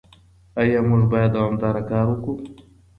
ايا موږ بايد دوامداره کار وکړو؟